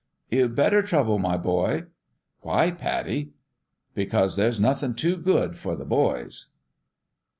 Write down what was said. " You better trouble, my boy !" "Why, Pattie?" "Because there's nothin' too good for the boys."